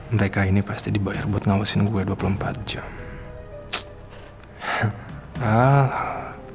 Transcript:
mereka ini pasti dibayar buat ngamusin gue dua puluh empat jam